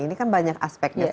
ini kan banyak aspeknya